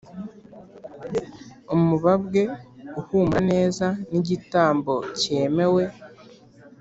umubabwe uhumura neza n’igitambo cyemewe